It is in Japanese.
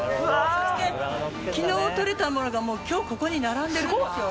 そして昨日とれたものが今日ここに並んでいます。